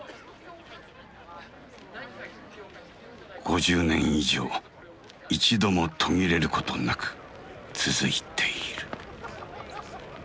５０年以上一度も途切れることなく続いている。